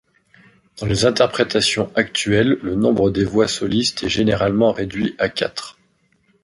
Dans les interprétations actuelles, le nombre des voix solistes est généralement réduit à quatre.